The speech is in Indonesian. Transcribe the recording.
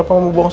apa yang lu buat